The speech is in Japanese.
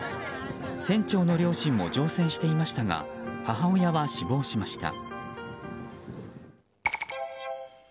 船長の両親も乗船していましたが母親は死亡しました。